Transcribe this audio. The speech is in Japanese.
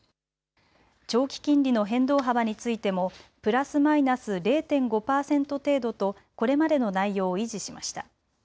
長期金利の変動幅についてもプラスマイナス０．５％程度とこれまでの内容を維持しました。